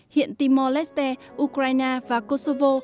hiện timor leste ukraine và kosovo